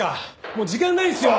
もう時間ないんですよ！